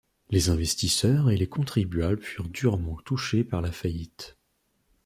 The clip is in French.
Les investisseurs et les contribuables furent durement touchés par la faillite.